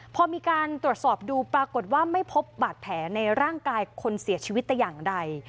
พอมีการตรวจสอบดูปรากฏว่าไม่พบบาดแผลในร่างกายคนเสียชีวิตแต่อย่างใด